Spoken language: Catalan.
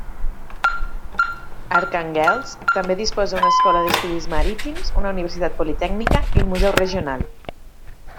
Arkhànguelsk també disposa d'una escola d'estudis marítims, una universitat politècnica i un museu regional.